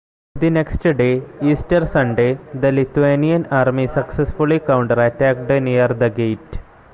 The next day, Easter Sunday, the Lithuanian Army successfully counter-attacked near the gate.